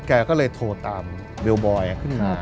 แกก็เลยโทรตามเบลบอยขึ้นมา